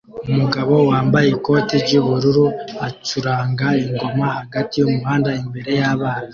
Umugabo wambaye ikoti ry'ubururu acuranga ingoma hagati yumuhanda imbere yabana